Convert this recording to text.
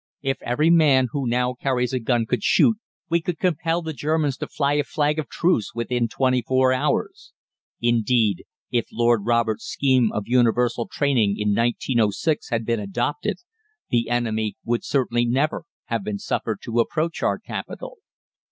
If every man who now carries a gun could shoot, we could compel the Germans to fly a flag of truce within twenty four hours. Indeed, if Lord Roberts' scheme of universal training in 1906 had been adopted, the enemy would certainly never have been suffered to approach our capital.